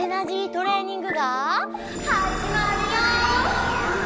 トレーニングがはじまるよ！